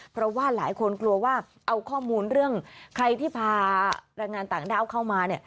เพราะว่าหลายคนกลัวว่าเอาข้อมูลเรื่องใครที่พาแรงงานต่างด้าวเข้ามา